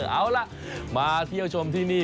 เอาล่ะมาเที่ยวชมที่นี่